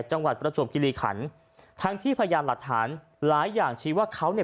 จังหวัดประสบคิริขันฯทั้งที่พยายามหลัดฐานหลายอย่างชี้ว่าเขาเนี่ย